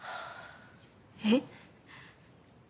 えっ？